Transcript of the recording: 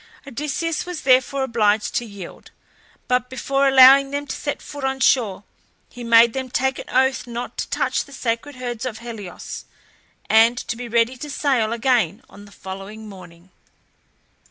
Odysseus was therefore obliged to yield, but before allowing them to set foot on shore he made them take an oath not to touch the sacred herds of Helios, and to be ready to sail again on the following morning.